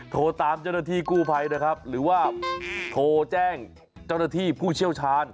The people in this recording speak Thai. โทรตามเจ้าหน้าที่กู้ภัยนะครับหรือว่าโทรแจ้งเจ้าหน้าที่ผู้เชี่ยวชาญ